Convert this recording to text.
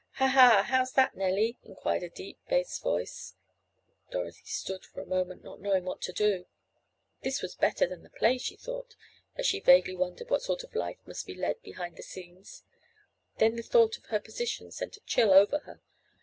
"Ha! Ha! How's that, Nellie?" inquired a deep bass voice. Dorothy stood for a moment, not knowing what to do. This was better than the play, she thought, as she vaguely wondered what sort of life must be led behind the scenes. Then the thought of her position sent a chill over her.